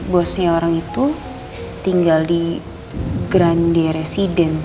bosnya orang itu tinggal di grande resident